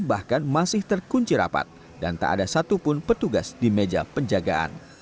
bahkan masih terkunci rapat dan tak ada satupun petugas di meja penjagaan